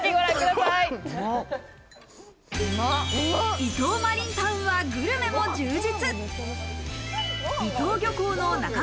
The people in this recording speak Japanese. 伊東マリンタウンはグルメも充実。